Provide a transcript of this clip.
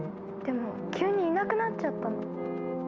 でも急にいなくなっちゃったの。